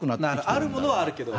あるものはあるけど。